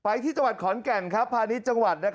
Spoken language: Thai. ที่จังหวัดขอนแก่นพาณิชย์จังหวัด